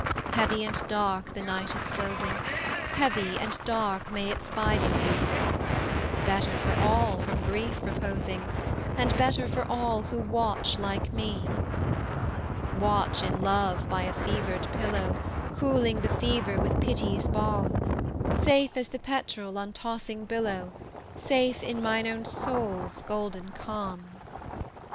"Heavy and dark the night is closing; Heavy and dark may its biding be: Better for all from grief reposing, And better for all who watch like me "Watch in love by a fevered pillow, Cooling the fever with pity's balm Safe as the petrel on tossing billow, Safe in mine own soul's golden calm!